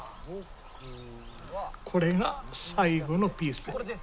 これが最後のピースです。